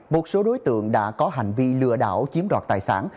một số đối tượng đã có hành vi lừa đảo chiếm đoạt tài sản